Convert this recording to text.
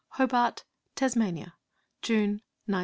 HOBART, TASMANIA, JUNE, 1915.